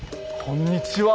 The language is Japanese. こんにちは。